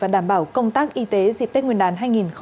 và đảm bảo công tác y tế dịp tết nguyên đán hai nghìn hai mươi hai